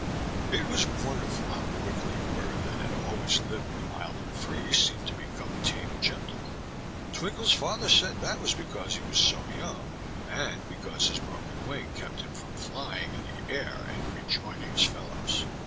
It was wonderful how quickly a bird that had always lived wild and free seemed to become tame and gentle. Twinkle's father said that was because he was so young, and because his broken wing kept him from flying in the air and rejoining his fellows.